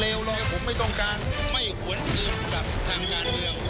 ไม่หวนอื่นกับทางงานเดียว